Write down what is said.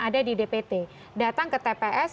ada di dpt datang ke tps